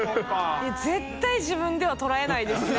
絶対自分では捉えないですね